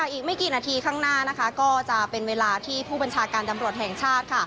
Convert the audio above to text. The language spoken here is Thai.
อีกไม่กี่นาทีข้างหน้าก็จะเป็นเวลาที่ผู้บัญชาการตำรวจแห่งชาติ